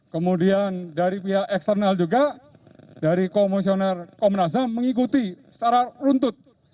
kemudian dari pihak eksternal juga dari komisioner komnas ham mengikuti secara runtut